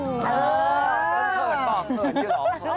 เออต้องเขินก่อน